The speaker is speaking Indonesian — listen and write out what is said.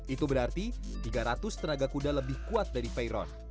itu berarti tiga ratus tenaga kuda lebih kuat dari veyron